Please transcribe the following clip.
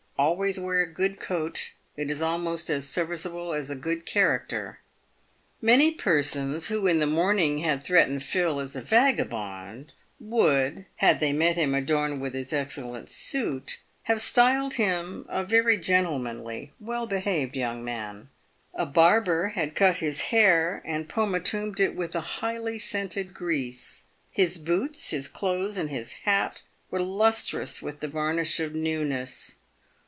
Always wear a good coat. It is almost as serviceable as a good character. Many persons who in the morn ing had threatened Phil as a vagabond would, had they met him adorned with his excellent suit, have styled him a very gentlemanly, well behaved young man. A barber had cut his hair and pomatumed it with a highly scented grease. His boots, his clothes, and his hat were lustrous with the varnish of newness.